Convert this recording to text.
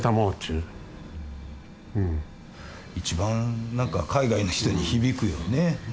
一番何か海外の人に響くよね。